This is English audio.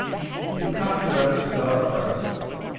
_To Copy Letters without a Press.